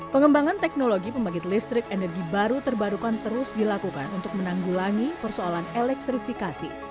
pengembangan teknologi pembangkit listrik energi baru terbarukan terus dilakukan untuk menanggulangi persoalan elektrifikasi